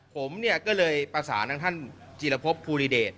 ผมก็เลยปราศาลทางท่านจิรพพภูริเดช